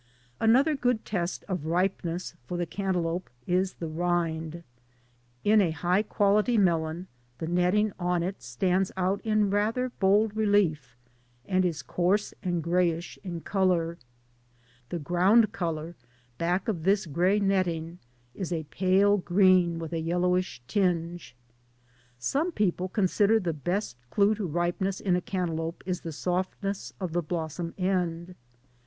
Another good test of ripeness for the cantaloupe is the rind. In a high quality melon, the netting on it stands out in rather bold relief, and is coarse and grayish in color. The ground color back of this gray netting is a pale green dth a yellowish tinge. Some oeople consider the best clue to ripeness in a can taloupe is the softness of the blossom end.